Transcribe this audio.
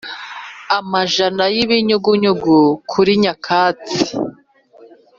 amajana y'ibinyugunyugu kuri nyakatsi.